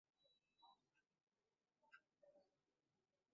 মাদক ব্যবসার বিষয়ে জানতে চাইলে তাঁরা কোনো মন্তব্য করতে রাজি হননি।